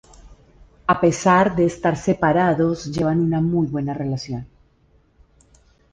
A pesar de estar separados, llevan una muy buena relación.